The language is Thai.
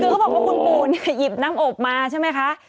คือเขาบอกว่าคุณปู่หยิบน้ำอบมาใช่ไหมคะ